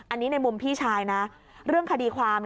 อันนี้ในมุมพี่ชายนะเรื่องคดีความ